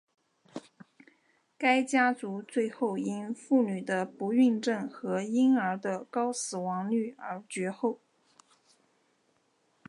该家族最后因妇女的不孕症和婴儿的高死亡率而绝后。